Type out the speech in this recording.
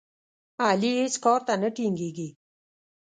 علي هېڅ کار ته نه ټینګېږي.